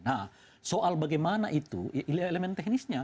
nah soal bagaimana itu elemen teknisnya